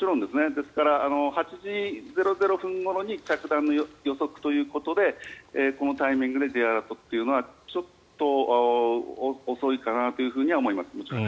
ですから、８時００分に着弾の予測ということでこのタイミングでＪアラートというのはちょっと遅いかなと思います。